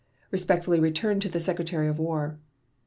Respectfully returned to the Secretary of War.